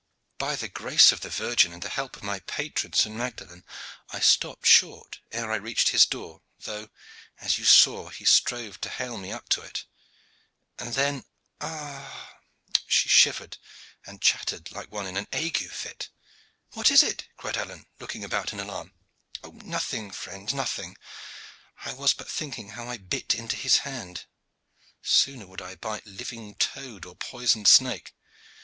By the grace of the Virgin and the help of my patron St. Magdalen, I stopped short ere I reached his door, though, as you saw, he strove to hale me up to it. And then ah h h h!" she shivered and chattered like one in an ague fit. "What is it?" cried Alleyne, looking about in alarm. "Nothing, friend, nothing! I was but thinking how I bit into his hand. Sooner would I bite living toad or poisoned snake.